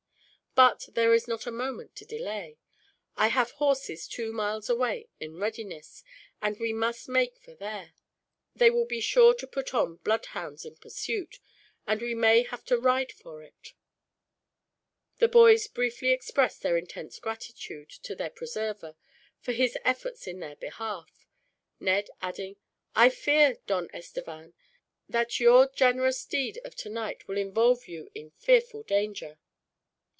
"But there is not a moment to delay. I have horses two miles away in readiness, and we must make for there. They will be sure to put on bloodhounds in pursuit, and we may have to ride for it." The boys briefly expressed their intense gratitude to their preserver, for his efforts in their behalf, Ned adding, "I fear, Don Estevan, that your generous deed of tonight will involve you in fearful danger."